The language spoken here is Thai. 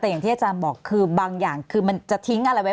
แต่อย่างที่อาจารย์บอกคือบางอย่างคือมันจะทิ้งอะไรไว้